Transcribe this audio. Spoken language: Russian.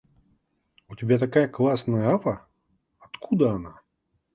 У тебя такая классная ава! Откуда она?